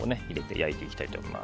焼いていきたいと思います。